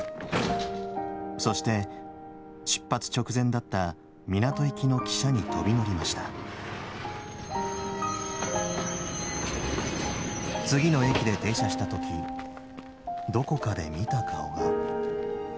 そして出発直前だった港行きの汽車に飛び乗りました次の駅で停車した時どこかで見た顔が。